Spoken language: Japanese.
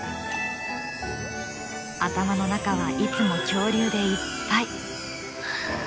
頭の中はいつも恐竜でいっぱい。